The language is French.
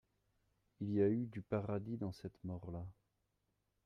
Il y a eu du paradis dans cette mort-là.